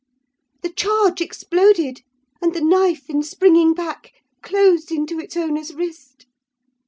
"The charge exploded, and the knife, in springing back, closed into its owner's wrist.